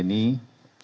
kita meminta kebenaran